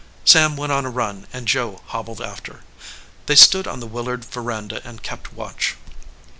Sam went on a run and Joe hobbled after. They stood on the Willard veranda and kept watch.